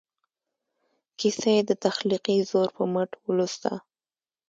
کیسه یې د تخلیقي زور په مټ ولوسته.